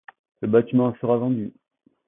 Le bâtiment sera vendu.